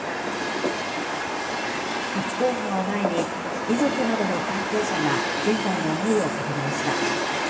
初公判を前に、遺族などの関係者が現在の思いを語りました。